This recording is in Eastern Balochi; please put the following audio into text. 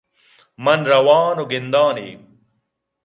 من رو آن ءُ گِند آن ئِے